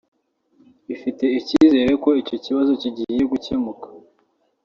bifite icyizere ko icyo kibazo kigiye gucyemuka